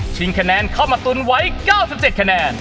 คะแนนเข้ามาตุนไว้๙๗คะแนน